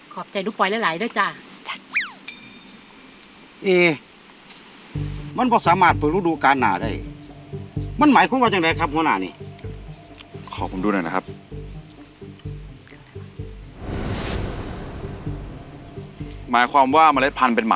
ขอบใจหนูป่อยได้หลายด้วยจ้ะ